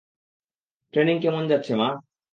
Training কেমন যাচ্ছে, মা?